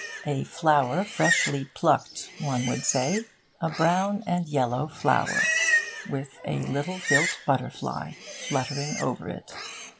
A flower freshly plucked, one would say a brown and yellow flower, with a little gilt butterfly fluttering over it.